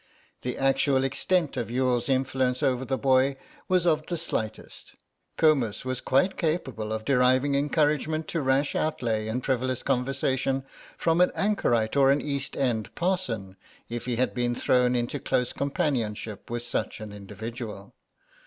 The actual extent of Youghal's influence over the boy was of the slightest; Comus was quite capable of deriving encouragement to rash outlay and frivolous conversation from an anchorite or an East end parson if he had been thrown into close companionship with such an individual.